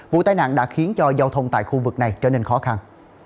vụ tai nạn đã khiến cho giao thông tại khu vực này trở nên khó khăn